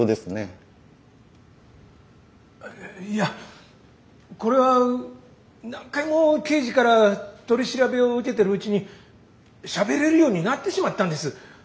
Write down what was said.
いやこれは何回も刑事から取り調べを受けてるうちにしゃべれるようになってしまったんです。